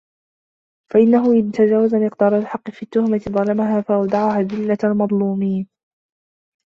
فَإِنَّهُ إنْ تَجَاوَزَ مِقْدَارَ الْحَقِّ فِي التُّهْمَةِ ظَلَمَهَا فَأَوْدَعَهَا ذِلَّةَ الْمَظْلُومِينَ